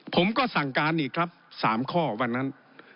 ผมก็สั่งการอีกครับ๓ข้อวันนั้น